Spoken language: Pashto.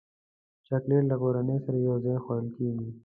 چاکلېټ له کورنۍ سره یوځای خوړل کېږي.